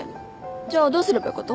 じゃあどうすればよかと？